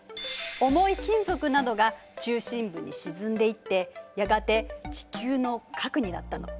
重い金属などが中心部に沈んでいってやがて地球の核になったの。